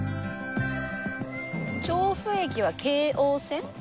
調布駅は京王線？